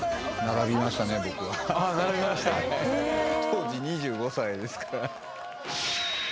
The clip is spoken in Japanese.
３２１！当時２５歳ですから。